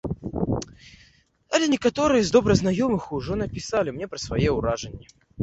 Але некаторыя з добра знаёмых ужо напісалі мне пра свае ўражанні.